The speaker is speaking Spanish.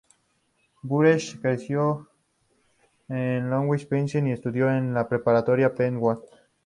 Burrell creció en Lansdowne, Pennsylvania y estudió en la preparatoria Penn Wood.